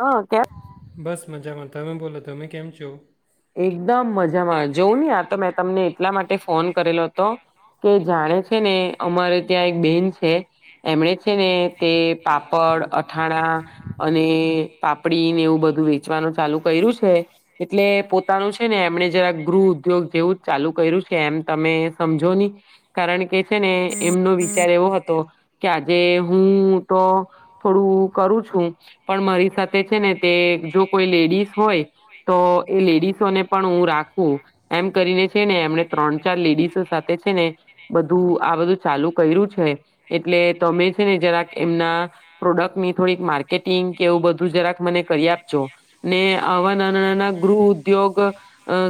હા કે બસ મજામાં તમે બોલો તમે કેમ છો? એકદમ મજામાં. જોવો ને આ તો મેં તમને એટલા માટે ફ ફોન કરેલો હતો કે જાણે છે ને અમારે ત્યાં એક બેન છે, એમણે છે ને તે પાપડ, અથાણા અને પાપડી ને એવું બધું વેચવાનું ચાલુ કયરું છે, એટલે પોત તાનું છે ને એમણે જરાક ગૃહ ઉદ્યોગ જેવું જ ચાલુ કયરું છે એમ તમે સમજો ને, કારણ કે છે ને એમનો વિચાર એવો હતો કે આ જે હું તો થોડું કરું છું પણ મારી સાથે છે ને તે જો કોઈ લેડીસ હોય તો એ લેડીઝ ને પણ હું રાખવું એમ કરીને છે ને એમને ત્રણ ચાર લેડીસો સાથે છે ને બધું આ બધું ચાલુ કર્યું છે એટલે તમે છે ને જરાક એમના પ્રોડક્ટની થોડીક માર્કેટિંગ કે એવું બધું જરાક મને કરી આપજો ને આવા નાના નાના ગૃહ ઉદ્યોગ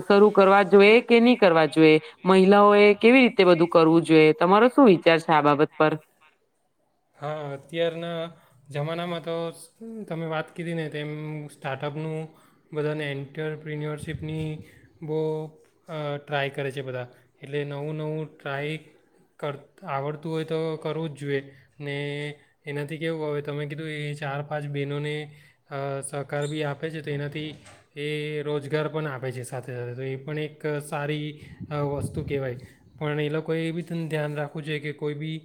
શરૂ કરવા જોઈએ કે ની કરવા જોઈએ મહિલાઓએ કેવી રીતે બધું કરવું જોઈએ તમારો શું વિચાર છે આ બાબત પર? હા અત્યારના જમાનામાં તો તમે વાત કીધીને તેમ સ્ટાર્ટઅપનું બધાને એન્ટરપ્રિન્ય્યોરશીપની બહુ અ ટ્રાય કરે છે બધા. એટલે નવું નવું ટ્રાય કર આવડતું હોય તો કરવું જ જોઈએ ને એનાથી કેવું હવે તમે કીધું એ ચાર પાંચ બહેનોને અ સહકાર બી આપે છે તો એનાથી એ રોજગાર પણ આપે છે સાથે સાથે તો એ પણ એક સારી વસ્તુ અ કહેવાય. પણ એ લોકોએ એ બી તને ધ્યાન રાખવું જોઈએ કે કોઈ બી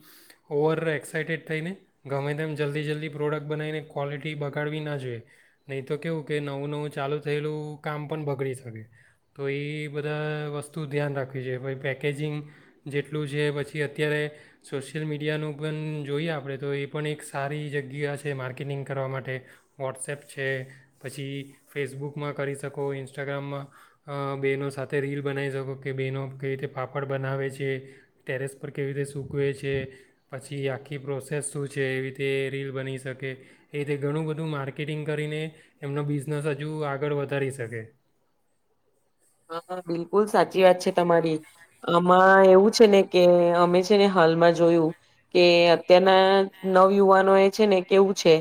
ઓવર એક્સાઈટેડ થઈને ગમે તેમ જલ્દી જલ્દી પ્રોડક્ટ બનાવીને ક્વૉલિટી બગાડવી ના જોઈએ નહીં તો કેહેવું કે નવું નવું ચાલુ થયેલું કામ પણ બગડી શકે. તો એ બધા વસ્તુ ધ્યાન રાખવી જોઈએ પઈ પેકેજિંગ જેટલું છે પછી અત્યારે સોશિયલ મીડિયાનું પણ જોઈએ આપડે તો એ પણ એક સારી જગ્યા છે માર્કેટિંગ કરવા માટે. વોટ્સએપ છે પછી ફેસબુકમાં કરી શકો, ઇન્સ્ટાગ્રામમાં અ બેનો સાથે રીલ બનાવી શકો કે બહેનો કેવી રીતે પાાપડ બનાવે છે, ટેરેસ પર કેવી રીતે સૂકવે છે, પછી આખી પ્રોસેસ શું છે એવી રીતે રીલ બની શકે. એ રીતે ઘણું બધું માર્કેટિંગ કરીને એમનો બિઝ નસ અજું આગળ વધારી શકે. હા હા બિલકુલ સાચી વાત છે તમારી. આમાં એવું છે ને કે અમે છે ને હાલમાં જોયું કે અત્યારના નવ યુવાનો એ છે ને કેવું છે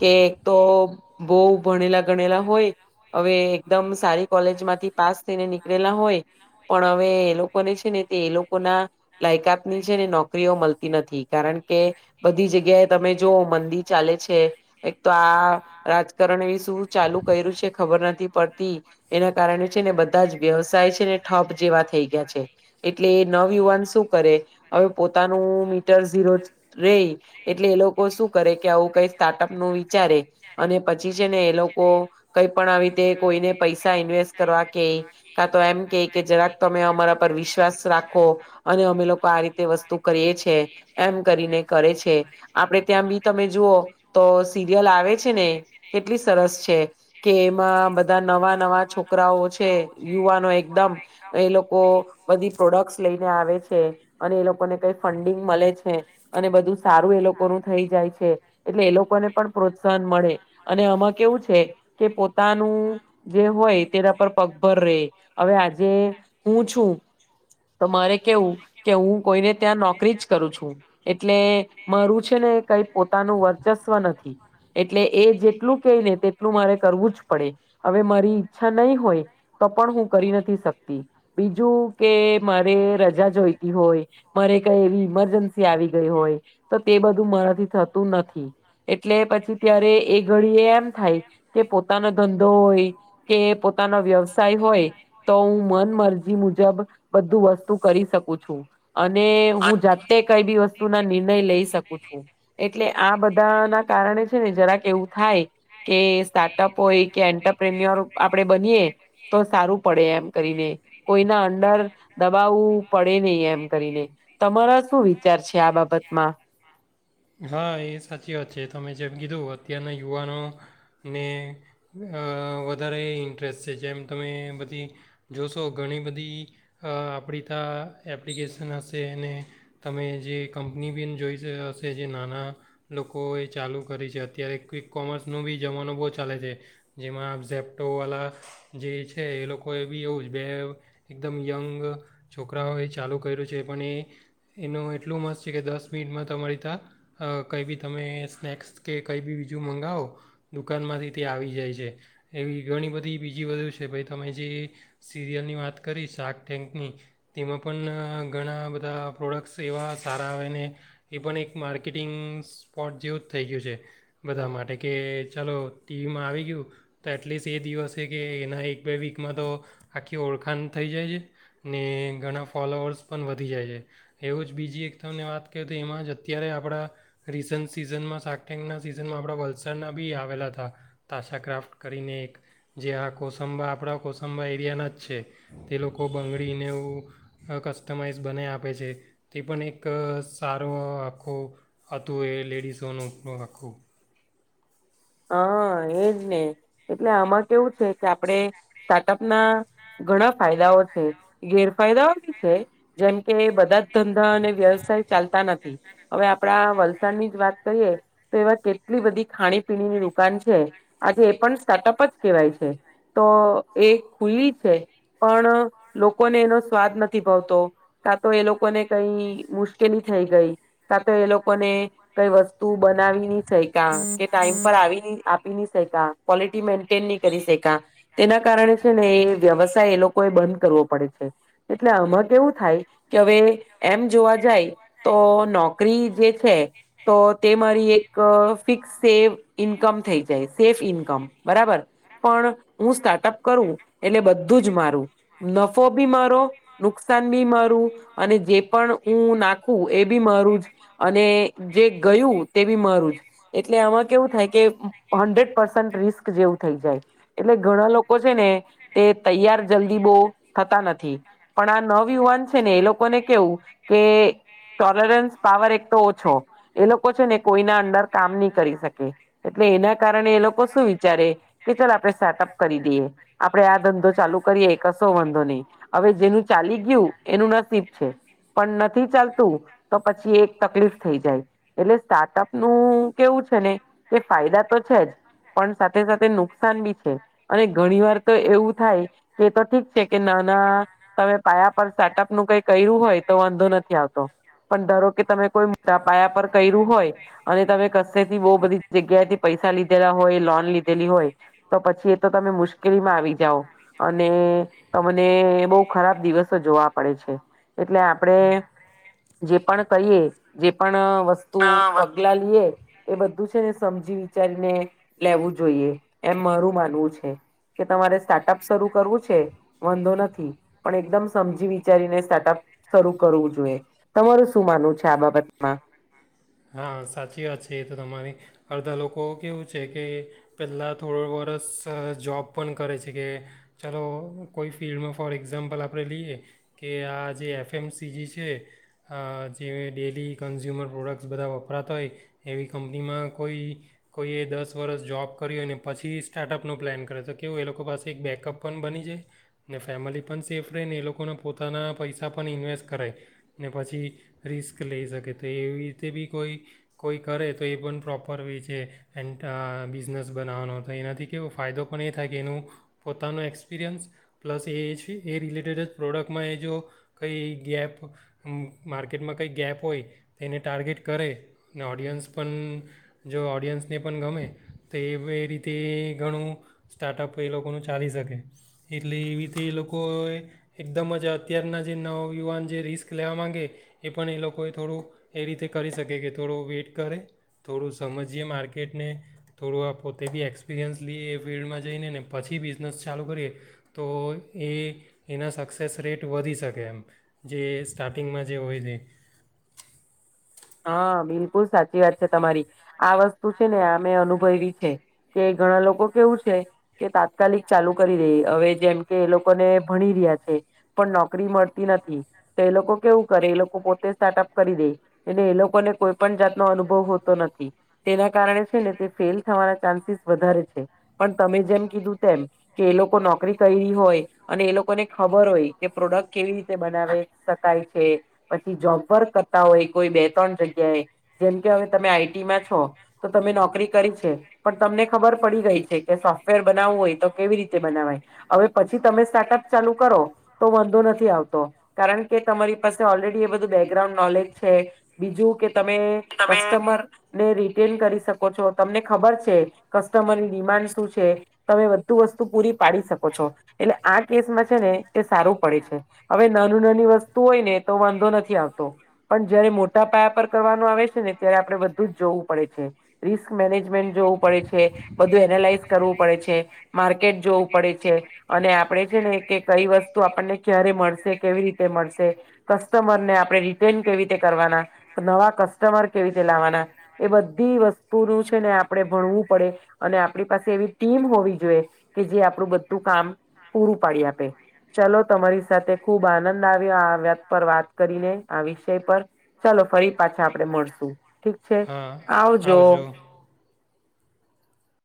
કે તો બઉ ભણેલા ગણેલા હોય અવે એકદમ સારી કોલેજ માંથી પાસ થઈને નીકળેલા હોય પણ હવે એ લોકોને છે ને તે એ લોકો ના લાયકાત ની છે ને નોકરીઓ મળતી નથી. કારણ કે બધી જગ્યાએ તમે જો મંદી ચાલે છે. એક તો આ રાજકારણ એવી શું ચાલુ કર્યું છે ખબર નથી પડતી. એના કારણે છે ને બધા જ વ્યવસાય છે ને ઠપ જેવા થઈ ગયા છે. એટલે નવયુવાન શું કરે હવે પોતાનું મીટર ઝીરો રેય એટલે એ લોકો શું કરે કે આવું કઈ સ્ટાર્ટઅપ નું વિચારે અને પછી છે ને એ લોકો કઈ પણ આવી તે કોઈને પૈસા ઇન્વેસ્ટ કરવા કે કા તો એમ ક કે જરાક તમે અમારા પર વિશ્વાસ રાખો અને અમે લોકો આ રીતે વસ્તુ કરીએ છે, એમ કરીને કરે છે આપડે ત્યાં બી તમે જુઓ તો સિરિયલ આવે છે ને કેટલી સરસ છે કે અ આ બધા નવા નવા છોક કરાઓ છે, યુવાનો એકદમ એ લોકો બધી પ્રોડક્ટસ લઈને આવે છે અને એ લોકોને કઈ ફંડિંગ મળે છે, અને બધું સારું એ લોકો નું થઈ જાય છે એટલે એ લોકોને પણ પ્રોત્સાહન મળે અને આમાં કેવું છે કે પો તાનું જે હોય તેરા પર પગભર રેય, હવે આજે હું છું તો મારે કેવું કે હું કોઈને ત્યાં નોકરી જ કરું છું એટલે મારું છે ને કઈ પોતાનું વર્ચસ્વ નથી, એટલે એ જેટલું કેઈ ને તેટલું મારે કરવું જ પડે અવે મ છા નઈ હોય તો પણ હું કરી નથી શકતી, બીજું કે મારે રજા જોઈતી હોય, મારે કઈ એવી ઈમરજન્સી આવી ગઈ હોય, તો તે બધું મારાથી થતું નથી એટલે પછી ત્યારે એ ઘડી એ એમ થાય કે પોત તાનો ધંધો હોય કે પોતાનો વ્યવસાય હોય તો હું મન મરજી મુજબ બધું વસ્તુ કરી શકું છું, અને હું જાતે કઈ બી વસ્તુ ના નિર્ણય લઈ શકું છું, એટલે આ બધા ના કારણે છે ને જરાક એવું થાય કે સ્ટાર્ટઅપ અને કોઈ કે એન્ટરપ્રેનર આપડે બનીએ તો સારું પડે એમ કરીને કોઈના અંદર દબાવ પડે નહી એમ કરીને, તમારા શું વિચાર છે આ બાબતમાં? હા એ સાચી વાત છે તમે જેમ કીધું અત્યારના યુવાનોને અ વધારે ઇન્ટરેસ્ટ છે જેમ તમે બધી જોશો ઘણી બધી અ આપડી તા એપ્લિકેશન હશે અને તમે જે કંપની બિન જોઈ હશે જે નાના લોકોએ ચાલુ કરી છે, અત્યારે કંઈક કોમર્સનો બી જમાનો બહુ ચાલે છે. જેમાં ઝેપટોવાળા જે છે એ લોકો એ બી એવું જ બે એકદમ યંગ છોકરાઓએ ચાલુ કર્યું છે, પણ એ એનું એટલું મસ્ત છે કે દસ મિનિટમાં તમારી ત્યાં કંઈ બી તમે સ્નેક્સ કે કંઈ બી બીજું મંગાવો દુકાનમાંથી તે આવી જાય છે. જે એવી ઘણી બધી બીજી બધુ છે પછી તમે જે સિરિયલની વાત કરી શાક ટેન્કની તેમાં પન ઘણા બધા પ્રોડક્ટ્સ એવા સારા આવે ને એ પન એક માર્કેટિંગ સ્પોટ જેવુ જ થઈ ગયું છે બધા માટે કે ચાલો ટી વી માં આવી ગયું તો એટલીસ એ દિવસે કે એના એક બે વીકમાં તો આખી ઓળખાન થઈ જાય છે ને ઘણા ફોલોઅર્સ પન વધી જાય છે, એવું જ બીજી એક તમને વાત કેઉ તો એમાં જ અત્યારે આપડા રીસન સિઝનમાં સાક ટેન્કના સિઝનમાં આપડા વલસાડના બી આવેલા અતા તાશા ક્રાફ્ટ કરીને એક જે આ કોસંબા આપડા કોસંબા એરિયાના જ છે તે લોકો બંગડીને એવુ અ કસ્ટમાઈઝ બનાઈ આપે છે તે પનએક સારું આખું હતું એ લેડીસોનું અ આખું હાં, એજ ને એટલે આમાં કેવું છે કે આપડે સ્ટાર્ટઅપના ઘણા ફાયદાઓ છે, ગેરફાયદાઓ બી છે, જેમ કે બધા જ ધંધા અને વ્યવસાય ચાલતા નથી. અવે આપડા વલસાડની જ વાત કરીએ તો એવા કેટલી બધી ખાણી પીણીની દુકાન છે, આજે એ પન સ્ટાર્ટઅપ જ કહેવાય છે, તો એ ખુલ્લી છે પણ લોકોને એનો સ્વાદ નથી ભાવતો, કાં તો એ લોકોને કઈ મુશ્કેલી થઈ ગઈ, કાં તો એ લોકોને કઈ વસ્તુ બનાવીની સઈ કા કે ટાઈમ પર આવીની આપ પી ની શયકા ક્વોલિટી મેન્ટેન ની કરી શયકા તેના કારણે છે ને એ વ્યવસાય એ લોક કોઈ બંધ કરવો પડે છે. એટલે આમાં કેવું થાય કે અવે એમ જોવા જાય તો નોકરી જે છે તો તે મારી એક ક ફિક્સ સેવ ઈન્કમ થઈ જાય સેફ ઈન્કમ બરાબર પણ હું સ્ટાર્ટઅપ કરું એટલે બધું જ મારું નફો બી મારો નુકસાન બી મારું અને જે પણ ઉ નાખું એ બી મારું જ અને જે ગયું તે બી મારું એટલે આમાં કે હંડ્રેડ પર્સેન્ટ રિસ્ક જેવું થઈ જાય એટલે ઘણા લોકો છે ને તે તૈયાર જલ્દી બો થતા નથી પણ આ નવ યુવાન છે ને એ લોકોને કેવું કે ટોલરન્સ પાવર એક તો ઓછો એ લોકો છે ને કોઈના અંડર કામ ની કરી શકે. એટલે એના કારણે એ લોકો શું વિચારે કે ચલ આપણે સ્ટાર્ટઅપ કરી દઈએ, આપડે આ ધંધો ચાલુ કરીએ એ કશો વાંધો નઈ, અવે જેનું ચાલી ગયું એનું નસીબ છે પણ નથી ચાલતું તો પછી એક તકલીફ થઈ જાય, એટલે સ્ટાર્ટઅપ નું કેવું છે ને કે ફાયદા તો છે જ પણ સાથે સાથે નુકસાન બી છે, અને ઘણી વાર તો એવું થાય કે તો ઠીક છે કે નાના તમે પાયા પર સ્ટાર્ટઅપ નું કઈ કૈરુ હોય તો વાંધો નથી આવતો, પણ ધારો કે તમે કોઈ મોટા પાયા પર કૈરુ હોય અને તમે કસ્સે થી બો બધી જગ્યા થી પૈસા લીધેલા હોય લોન લીધેલી હોય તો પછી એ તો તમે મુશ્કેલીમાં આવી જાઓ, અને તમને બોવ ખરાબ દિવસો જોવા પડે છે, એટલે આપડે જે પણ કહીએ જે પણ વસ્તુ પ પગલા લઈએ એ બધું જ છેને સમજી વિચારીને લેવું જોઈએ એમ મારું માનવું છે, કે તમારે સ્ટાર્ટઅપ શરૂ કરવું છે વાંધો નથી પણ એકદમ સમજી વિચારીને સ્ટાર્ટઅપ શરૂ કરવું જોઈએ, તમારું શું માનવું છે આ બાબતમાં? હા સાચી વાત છે એ તો તમારી અડધા લોકો કેવું છે કે પહેલાં થોડું વરસ જોબ પણ કરે છે કે, ચાલો કોઈ ફિલ્ડમાં ફોર એક્ઝામ્પલ આપણે લઈએ કે, આ જે એ એફએમસીજી છે, જે ડેલી કન્ઝ્યુમર પ્રોડક્ટ્સ બધા વપરાતા હોય એવી કંપનીમાં કોઈ કોઈએ દસ વર્ષ જોબ કરી હોય ને પછી સ્ટાર્ટઅપનો પ્લેન કરે તો કેવું એ લોકો પાસે એક બેકઅપ પણ બની જાય, ને ફેમિલી પણ સેફ રેય ને એ લોકોને પોતાના પૈસા પણ ઇન્વેસ્ટ કરાય ને પછી રિસ્ક લેય શકે તો એવી રીતે બી કોઈ કોઈ કરે તો એ પણ પ્રોપર વે છે,. એ બિઝનેસ બનાવવાનો તો એનાથી કેવો ફાયદો પણ એ થાય કે એનું પોતાનો એક્સપિરિયન્સ પ્લસ એ જ એ રિલેટેડ જ પ્રોડક્ટમાં એ જો કઈ ગેપ માર્કેટમાં કઈ ગેપ હોય તો એને ટાર્ગેટ કરે ને ઓડિયન્સ પણ જો ઓડિયન્સને પણ ગમે તો એ એ રીતે ઘણું સ્ટાર્ટઅપ એ લોકોનું ચાલી શકે, એટલે એવી રીતે એ લોકો એકદમ જ અત્યારના જે નવયુવાન જે રિસ્ક લેવા માંગે એ પણ એ લોકોએ થોડું એ રીતે કરી શકે કે થોડું વેઇટ કરે, થોડું સમજીએ માર્કેટને, થોડું આ પોતે બી એક્સપિરિયન્સ લીએ એ ફિલ્ડમાં જઈને ને પછી બિઝનેસ ચાલુ કરીએ તો એ એના સક્સેસ રેટ વધી શકે. કેમ જે સ્ટાર્ટિંગમાં જે હોય છે. હા, બિલકુલ સાચી વાત છે તમારી આ વસ્તુ છે ને અમે અનુભયવી છે, કે ઘણા લોકો કેવું છે કે તાત્કાલિક ચાલુ કરી દેય હવે જેમ કે, એ લોકોને ભણી રહ્યા છે પણ નોકરી મળતી નથી તો એ લોકો કેવું કરે એ લોકો પોતે સ્ટાર્ટઅપ કરી દેય. એટલે એ લોકોને કોઈ પણ જાતનો અનુભવ હોતો નથી, તેના કારણે છે ને તે ફેલ થવાના ચાન્સીસ વધારે છે, પણ તમે જેમ કીધું તેમ કે એ લોકો નોકરી કઈરી હોય અને એ લોકોને ખબર હોય કે પ્રોડક્ટ કેવી રીતે બનાવે શકાય છે, પછી જોબ વર્ક કરતા હોય કોઈ બે ત્રણ જગ્યાએ જેમ કે હવે તમે આઈટીમાં છો, તો તમે નોકરી કરી છે, પણ તમને ખબર પડી ગઈ છે કે સોફ્ટવેર બનાવું હોય તો કેવી રીતે બનાવાય હવે પછી તમે સ્ટાટપ ચાલુ કરો તો વાંધો નથી આવતો કારણે તમારી પાસે ઓલરેડી એ બધું બૅગ્રાઉન્ડ નોલેજ છે, બીજું કે તમે કસ્ટમર ને રિટેન કરી શકો છો તમને ખબર છે કસ્ટમરની ડિમાન્ડ શું છે. તમે બધુ વસ્તુ પૂરી પાડી શકો છો એટલે આ કેસમાં છે ને તે સારું પડે છે. હવે નાની નાની વસ્તુ હોય ને તો વાંધો નથી આવતો. પણ જયારે મોટા પાયા પર કરવાનું આવે છે ને ત્યારે આપણે બધું જ જોવું પડે છે. રિસ્ક મેનેજમેન્ટ જોવું પડે છે, બધુ એનાલાઈઝ કરવું પડે છે, માર્કેટ જોવું પડે છે અને આપણે છે ને કે કઈ વસ્તુ આપણને ક્યારે મળશે, કેવી રીતે મળશે, કસ્ટમરને આપણે રિટેન કેવી રીતે કરવાના, નવા કસ્ટમર કેવી રીતે લાવવાના એ બધી વસ્તુનું છેને આપણે ભણવું પડે અને આપણી પાસે એવી ટીમ હોવી જોઈએ કે જે આપડું બધું કામ પૂરું પાડી આપે. ચલો તમારી સાથે ખુબ આનંદ આવ્યો આ વત પર વાત કરીને. આવી ચાલો ફરી પાછા આપડે મળશું ઠીક છે. હા આવજો.